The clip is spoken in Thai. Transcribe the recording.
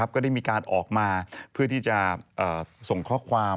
ก็ได้มีการออกมาเพื่อที่จะส่งข้อความ